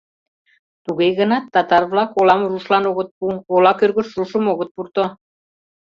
Туге гынат татар-влак олам рушлан огыт пу, ола кӧргыш рушым огыт пурто.